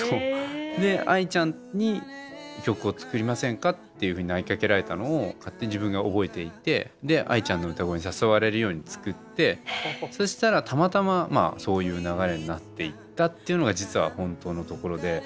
でＡＩちゃんに曲を作りませんかっていうふうに投げかけられたのを勝手に自分が覚えていてＡＩちゃんの歌声に誘われるように作ってそしたらたまたまそういう流れになっていったっていうのが実は本当のところで。